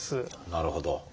なるほど。